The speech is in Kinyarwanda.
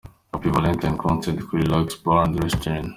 Happy Valentine Concert kuri Relax Bar and Restaurant.